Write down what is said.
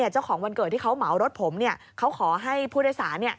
เจ้าของวันเกิดที่เขาเหมารถผมเขาขอให้ผู้โดยสาร